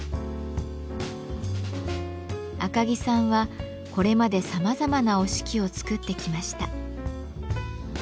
赤木さんはこれまでさまざまな折敷を作ってきました。